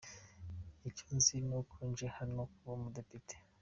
Icyo nzi ni uko nje hano kuba umudepite.